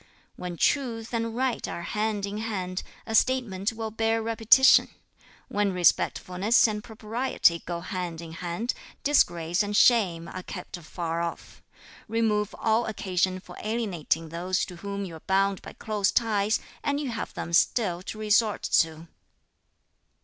"When truth and right are hand in hand, a statement will bear repetition. When respectfulness and propriety go hand in hand, disgrace and shame are kept afar off. Remove all occasion for alienating those to whom you are bound by close ties, and you have them still to resort to."